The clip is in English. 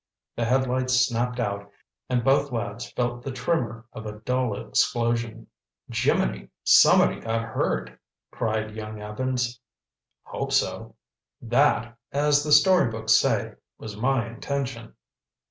The headlights snapped out and both lads felt the tremor of a dull explosion. "Jiminy! Somebody got hurt!" cried young Evans. "Hope so. That, as the story books say, was my intention."